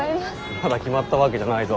まだ決まったわけじゃないぞ。